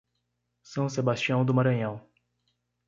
São Sebastião do Maranhão